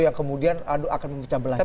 yang kemudian aduh akan mempercambelah kita